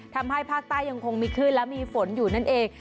ทำให้ภาคใต้ยังคงมีคลื่นและมีฝนอยู่นั่นเอง